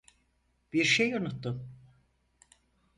Bir şey unuttun.